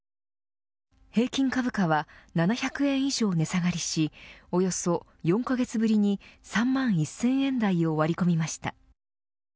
平均株価は７００円以上値下がりしおよそ４カ月ぶりに３万１０００円台を割り込みました。